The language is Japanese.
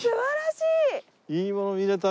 いいもの見れたね。